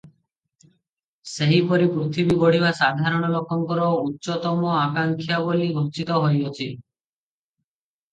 ସେହିପରି ପୃଥିବୀ ଗଢ଼ିବା ସାଧାରଣ ଲୋକଙ୍କର ଉଚ୍ଚତମ ଆକାଙ୍କ୍ଷା ବୋଲି ଘୋଷିତ ହୋଇଅଛି ।